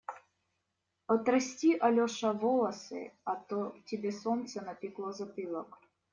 Отрасти, Алеша, волосы, а то тебе солнце напекло затылок.